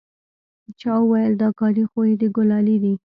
چا وويل دا کالي خو يې د ګلالي دي.